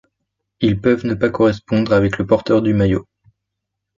Ils peuvent ne pas correspondre avec le porteur du maillot.